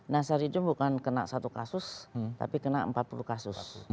nasari itu bukan kena satu kasus tapi kena empat puluh kasus